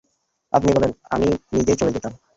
আপনি বললে, আমি নিজেই চলে যেতাম।